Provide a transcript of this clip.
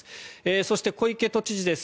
そして、小池知事です。